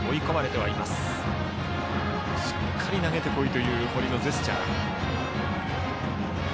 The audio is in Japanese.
しっかり投げてこいという堀のジェスチャー。